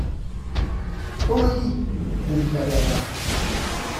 «Aurélie !» devina Bernard.